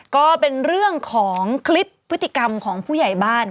ก็เป็นเรื่องของคลิปพฤติกรรมของผู้ใหญ่บ้าน